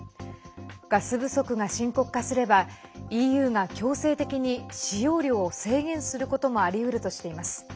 ガス不足が深刻化すればＥＵが強制的に使用量を制限することもありうるとしています。